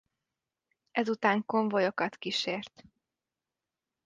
Ezután konvojokat kísért.